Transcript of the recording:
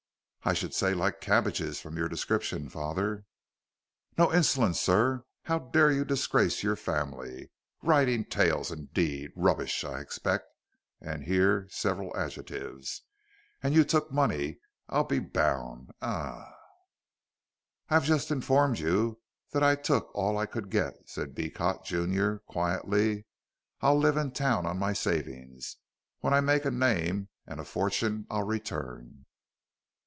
"I should say like cabbages from your description, father." "No insolence, sir. How dare you disgrace your family? Writing tales indeed! Rubbish I expect" (here several adjectives). "And you took money I'll be bound, eh! eh!" "I have just informed you that I took all I could get," said Beecot junior, quietly. "I'll live in Town on my savings. When I make a name and a fortune I'll return."